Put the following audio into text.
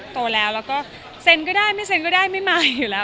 แทนก็ได้ไม่แทนก็ได้ไม่ใหม่อยู่แล้ว